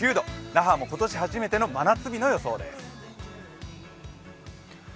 那覇も今年初めての真夏日の予想です。